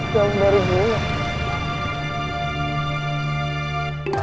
jangan baru mula